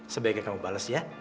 sebaiknya kamu bales ya